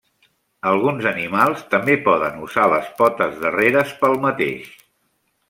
Alguns animals també poden usar les potes darreres pel mateix.